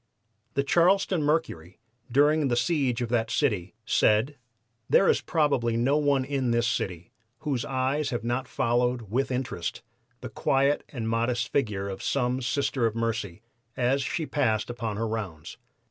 The Charleston Mercury, during the siege of that city, said: "There is probably no one in this city whose eyes have not followed with interest the quiet and modest figure of some Sister of Mercy as she passed upon her rounds.